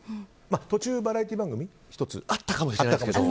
途中バラエティー番組が１つあったかもしれないですが。